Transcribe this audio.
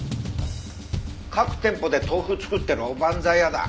各店舗で豆腐作ってるおばんざい屋だ。